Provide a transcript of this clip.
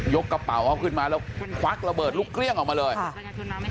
กระเป๋าเขาขึ้นมาแล้วควักระเบิดลูกเกลี้ยงออกมาเลยค่ะ